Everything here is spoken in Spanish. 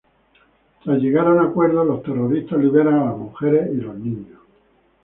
Tras llegar a un acuerdo los terroristas liberan a las mujeres y los niños.